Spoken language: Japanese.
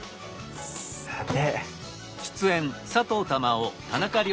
さて。